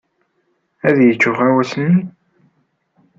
Ad yečč uɣawas-nni?